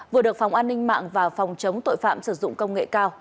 vừa được phòng an ninh mạng và phòng chống tội phạm sử dụng công nghệ cao